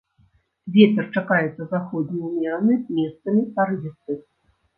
Вецер чакаецца заходні ўмераны, месцамі парывісты.